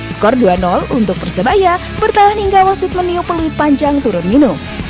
skor dua untuk persebaya bertahan hingga wasit meniup peluit panjang turun minum